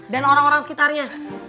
dan orang orang sekitarnya